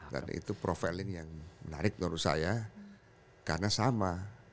dan itu profil ini yang menarik menurut saya karena sama